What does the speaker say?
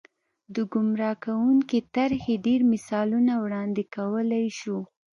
د ګمراه کوونکې طرحې ډېر مثالونه وړاندې کولای شو.